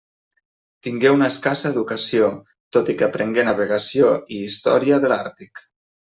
Tingué una escassa educació, tot i que aprengué navegació i història de l'Àrtic.